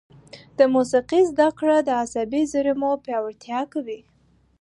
د موسیقي زده کړه د عصبي زېرمو پیاوړتیا کوي.